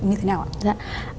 như thế nào ạ dạ